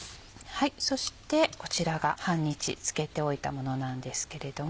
そしてこちらが半日漬けておいたものなんですけれども。